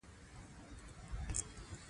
چرګان د افغانانو د ژوند طرز اغېزمنوي.